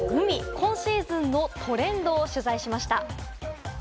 今シーズンのトレンドを取材しました。